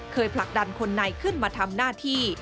ผลักดันคนในขึ้นมาทำหน้าที่